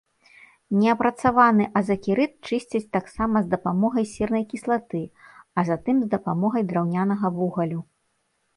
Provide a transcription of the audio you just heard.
Неапрацаваны азакерыт чысцяць таксама з дапамогай сернай кіслаты, а затым з дапамогай драўнянага вугалю.